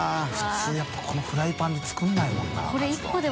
當やっぱこのフライパンで作らないもんなカツ丼。